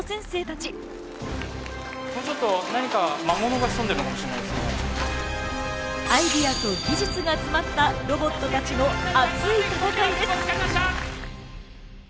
ちょっと何かアイデアと技術が詰まったロボットたちの熱い戦いです。